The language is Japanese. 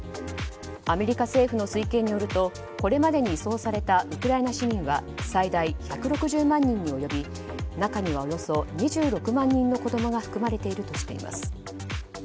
アメリカ政府の推計によるとこれまでに移送されたウクライナ市民は最大１６０万人に及び中にはおよそ２６万人の子供が含まれているとしています。